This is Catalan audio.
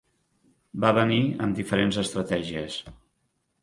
Va venir amb diferents estratègies.